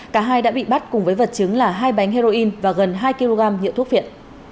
cả hai đã bị bắt cùng với vật chứng là hai bánh heroin và gần hai kg nhựa thuốc viện